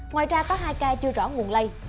ngoài ra có hai ca chưa rõ nguồn lây